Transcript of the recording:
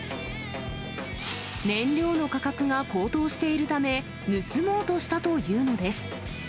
燃料の価格が高騰しているため、盗もうとしたというのです。